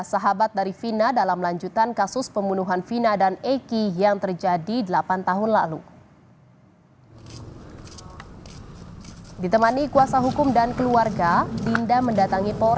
suhar sono mengaku dirinya dan pegi sedang membangun peristiwa